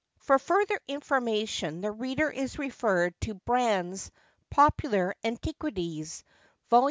For further information the reader is referred to Brand's Popular Antiquities, vol.